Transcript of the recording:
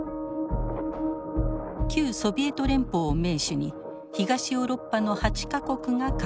旧ソビエト連邦を盟主に東ヨーロッパの８か国が加盟しました。